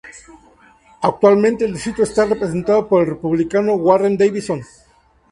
Actualmente el distrito está representado por el Republicano Warren Davidson.